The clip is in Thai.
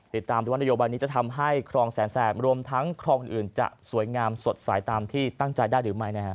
ติดตามดูว่านโยบายนี้จะทำให้ครองแสนแสบรวมทั้งคลองอื่นจะสวยงามสดใสตามที่ตั้งใจได้หรือไม่นะฮะ